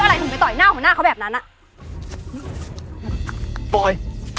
ฉันจะตัดพ่อตัดลูกกับแกเลย